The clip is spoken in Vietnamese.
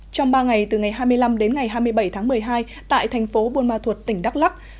trong ba ngày từ ngày hai mươi năm đến ngày hai mươi bảy tháng một mươi hai tại thành phố buôn ma thuột tỉnh đắk lắc